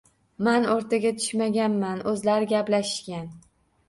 Man o‘rtaga tushmaganman, o‘zlari gaplashishgan.